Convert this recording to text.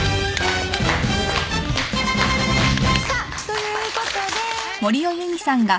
ということで久々。